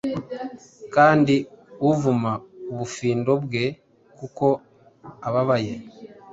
Kandi avuma ubufindo bwe kuko ababaye,